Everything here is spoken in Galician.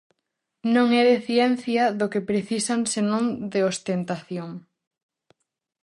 Non é de ciencia do que precisan senón de ostentación.